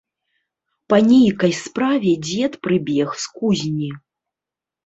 Па нейкай справе дзед прыбег з кузні.